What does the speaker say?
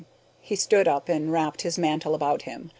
He stood up and wrapped his mantle about him.